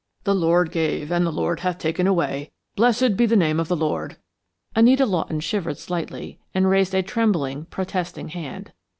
"The Lord gave and the Lord hath taken away; blessed be the name of the Lord." Anita Lawton shivered slightly, and raised a trembling, protesting hand.